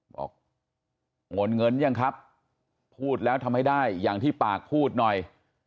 บอกงนเงินยังครับพูดแล้วทำให้ได้อย่างที่ปากพูดหน่อย